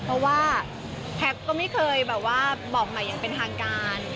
เพราะว่าแท็กก็ไม่เคยบอกใหม่อย่างเป็นทางการ